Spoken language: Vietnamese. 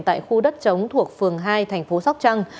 tại khu đất chống thuộc phường hai thành phố sóc trăng